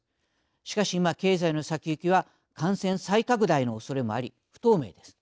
しかし今経済の先行きは感染再拡大のおそれもあり不透明です。